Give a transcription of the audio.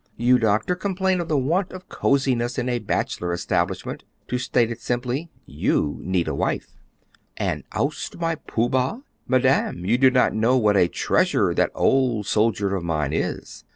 You, Doctor, complain of the want of coseyness in a bachelor establishment. To state it simply, you need a wife." "And oust my Pooh ba! Madame, you do not know what a treasure that old soldier of mine is.